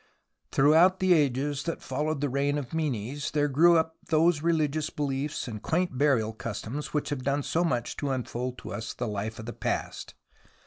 Throughout the ages that followed the reign of Menes, there grew up those religious beliefs and quaint burial customs which have done so much to unfold to us the life of the past.